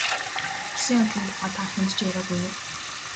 Болсон явдлын тухай та хэнд ч яриагүй юу?